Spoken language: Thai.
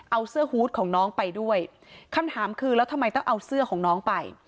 เอาเสื้อฮูตของน้องไปด้วยคำถามคือแล้วทำไมต้องเอาเสื้อของน้องไป